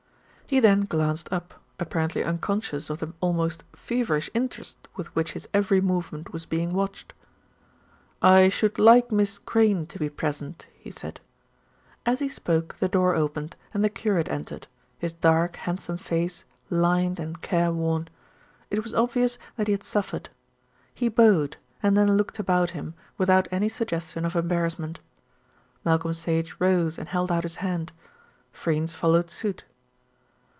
He then glanced up, apparently unconscious of the almost feverish interest with which his every movement was being watched. "I should like Miss Crayne to be present," he said. As he spoke the door opened and the curate entered, his dark, handsome face lined and careworn. It was obvious that he had suffered. He bowed, and then looked about him, without any suggestion of embarrassment. Malcolm Sage rose and held out his hand; Freynes followed suit.